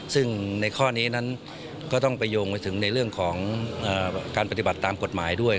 ซึ่งในข้อนี้นั้นก็ต้องไปโยงไปถึงในเรื่องของการปฏิบัติตามกฎหมายด้วย